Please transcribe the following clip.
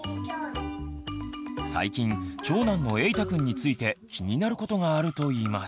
最近長男のえいたくんについて気になることがあるといいます。